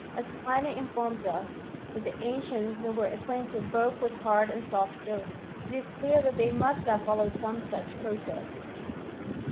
As Pliny informs us that the ancients were acquainted both with hard and eoft soap, it is clear that they must have followed some such process.